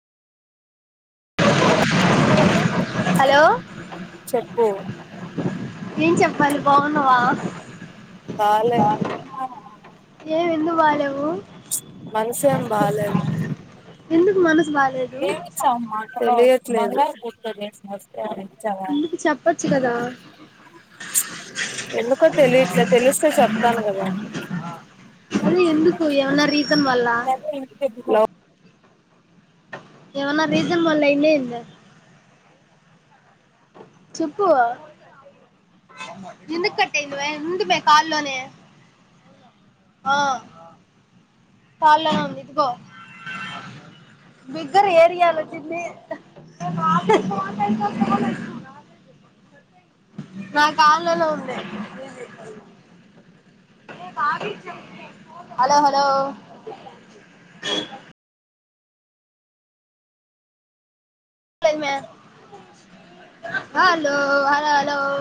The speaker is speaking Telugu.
హలో హలో చెప్పు ఏేం చెప్పాలి బావున్నావా బాలేదు ఏం ఎందుకు బాలేవు మనసుేం బాలేదు ఎందుకు మనసు బాలేదు తెలియదు తేలేదు ఎందుకు చెప్పచ్చు కదా ఎందుకో తెలి ఇట్లా తెలిస్తే చెప్తాను కదా అదే ఎందుకు ఏమన్నా ఏవనా రీసన్ వల్ల అయిందా ఏంది చెప్పు నిందు కట్టందివే నిందు బ కాల్లోనే ఆ కాాల ఇదికో బిగ్గర్ ఏరియాలో చిిన్ని నా కాళ్లలో ఉంది హలో హలో హలో హలో